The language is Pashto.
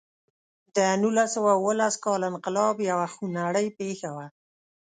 د نولس سوه اوولس کال انقلاب یوه خونړۍ پېښه وه.